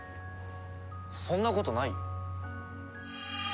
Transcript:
そんなことないよ。